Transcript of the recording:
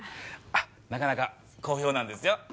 あっなかなか好評なんですよ。